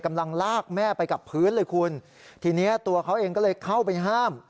กำลังลากแม่ไปกับพื้นเลยคุณทีนี้ตัวเขาเองก็เลยเข้าไปห้าม